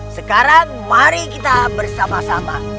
sekarang mari kita bersama sama